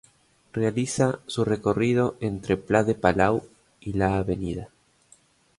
Realiza su recorrido entre Pla de Palau y la Av.